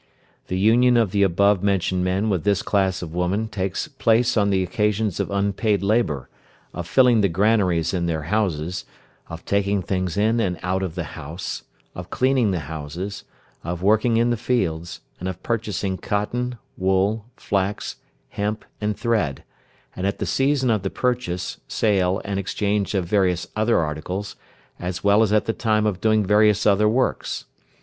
The union of the above mentioned men with this class of woman takes place on the occasions of unpaid labour, of filling the granaries in their houses, of taking things in and out of the house, of cleaning the houses, of working in the fields, and of purchasing cotton, wool, flax, hemp, and thread, and at the season of the purchase, sale, and exchange of various other articles, as well as at the time of doing various other works.